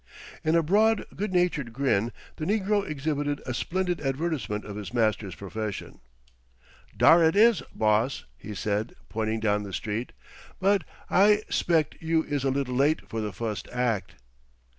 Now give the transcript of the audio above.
In a broad, good natured grin the negro exhibited a splendid advertisement of his master's profession. "Dar it is, boss," he said, pointing down the street. "But I 'spect you is a little late for de fust act."